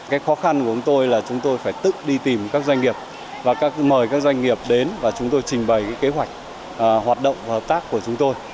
cái khó khăn của chúng tôi là chúng tôi phải tự đi tìm các doanh nghiệp và mời các doanh nghiệp đến và chúng tôi trình bày kế hoạch hoạt động hợp tác của chúng tôi